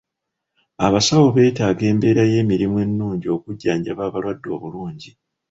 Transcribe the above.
Abasawo beetaaga embeera y'emirimu ennungi okujjanjaba abalwadde obulungi.